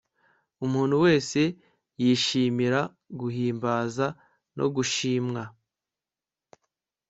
umuntu wese yishimira guhimbaza no gushimwa